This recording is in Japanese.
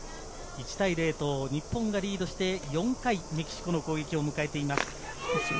１対０と日本がリードして４回、メキシコの攻撃を迎えています。